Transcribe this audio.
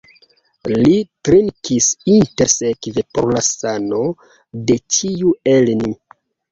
Li trinkis intersekve por la sano de ĉiu el ni.